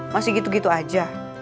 masih gitu gitu aja